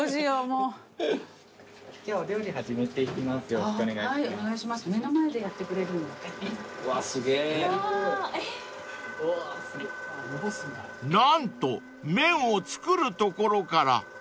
［何と麺を作るところから！］